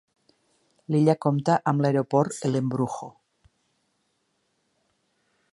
L"illa compta amb l"aeroport El Embrujo.